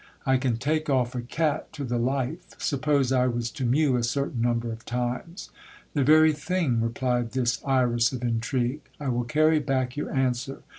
I can take'off" a cat to the life : suppose I was to mew a certain number of times ? The very thing, replied 68 . GIL BLAS. this Iris of intrigue ; I will carry back your answer.